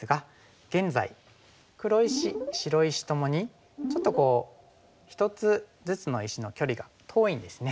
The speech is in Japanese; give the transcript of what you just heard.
現在黒石白石ともにちょっと１つずつの石の距離が遠いんですね。